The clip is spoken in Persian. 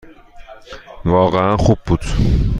واقعاً خوب بود.